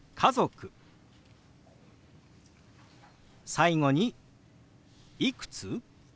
最後に「いくつ？」。